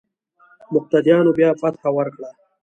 مقتديانو بيا فتحه ورکړه.